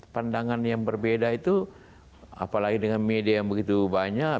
pandangan yang berbeda itu apalagi dengan media yang begitu banyak